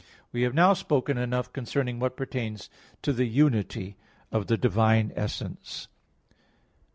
We have now spoken enough concerning what pertains to the unity of the divine essence.